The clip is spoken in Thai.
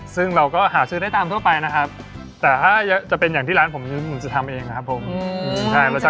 ซึ่งเราก็หาชื่อได้ตามทั่วไปนะครับ